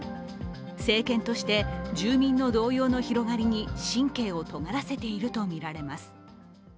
政権として住民の動揺の広がりに神経をとがらせているとみられます。